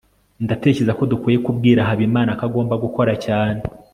ndatekereza ko dukwiye kubwira habimana ko agomba gukora cyane